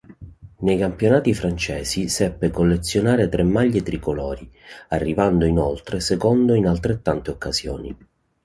Nei campionati francesi seppe collezionare tre maglie tricolori, arrivando inoltre secondo in altrettante occasioni.